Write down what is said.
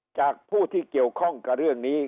จากผู้ที่เกี่ยวข้องกับเรื่องนี้